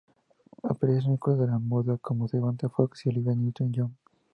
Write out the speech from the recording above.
Aparecen íconos de la moda como Samantha Fox y Olivia Newton John.